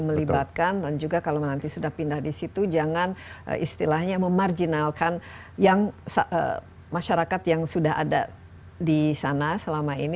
melibatkan dan juga kalau nanti sudah pindah di situ jangan istilahnya memarjinalkan yang masyarakat yang sudah ada di sana selama ini